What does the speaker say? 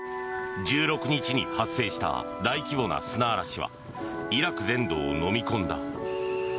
１６日に発生した大規模な砂嵐はイラク全土をのみ込んだ。